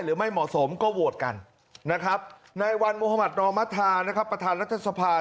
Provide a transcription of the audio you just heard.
ไม่เหมาะสมก็โหวตกันนะครับในวันมุธมัธนอมธานะครับประธานรัฐสภา